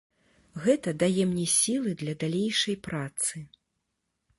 Гэта дае мне сілы для далейшай працы.